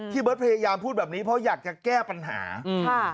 เบิร์ตพยายามพูดแบบนี้เพราะอยากจะแก้ปัญหาอืม